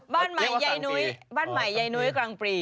บ้านใหม่ใยนุ้ยกลางปรี